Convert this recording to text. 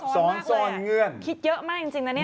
ซ่อนเงื่อนคิดเยอะมากจริงนะเนี่ย